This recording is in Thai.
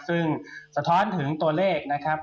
ซึ่งสะท้อนถึงตัวเลขนะครับ